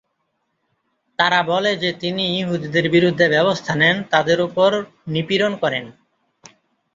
তারা বলে যে তিনি ইহুদিদের বিরুদ্ধে ব্যবস্থা নেন তাদের ওপর নিপীড়ন করেন।